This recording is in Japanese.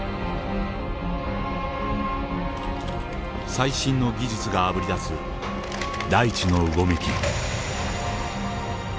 最新の技術があぶり出す大地のうごめき。